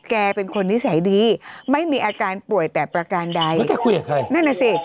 แกเป็นคนนิสัยดีไม่มีอาการป่วยแต่ประการใดแล้วแกคุยกับใครนั่นน่ะสิ